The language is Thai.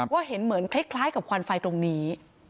ว่าเห็นเหมือนเคล็ดคล้ายกับควันไฟตรงนี้